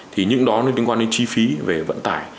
thì những đó nó liên quan đến chi phí về vận tải